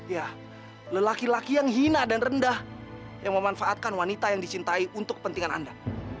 ya lelaki laki yang hina dan rendah yang memanfaatkan wanita yang dicintai untuk kepentingan anda